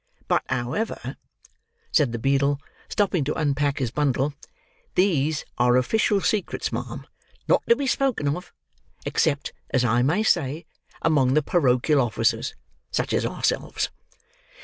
But, however," said the beadle, stopping to unpack his bundle, "these are official secrets, ma'am; not to be spoken of; except, as I may say, among the porochial officers, such as ourselves.